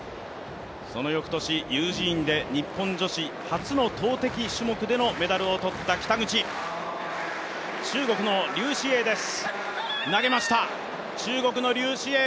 そのよくとし、ユージーンで日本女子初の投てき種目でメダルを取った北口、中国の劉詩穎投げました。